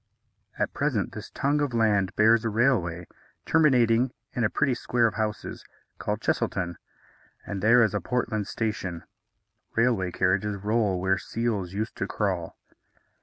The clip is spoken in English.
At present this tongue of land bears a railway, terminating in a pretty square of houses, called Chesilton, and there is a Portland station. Railway carriages roll where seals used to crawl.